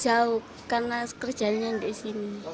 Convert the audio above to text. jauh karena kerjanya di sini